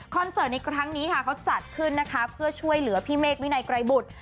เสิร์ตในครั้งนี้ค่ะเขาจัดขึ้นนะคะเพื่อช่วยเหลือพี่เมฆวินัยไกรบุตร